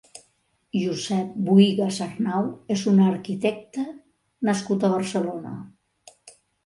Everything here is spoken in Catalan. Josep Bohigas Arnau és un arquitecte nascut a Barcelona.